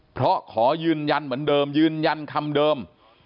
เพราะขอยืนยันเหมือนเดิมยืนยันคำเดิม